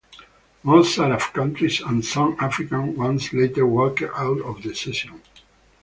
Most Arab countries and some African ones later walked out of the session.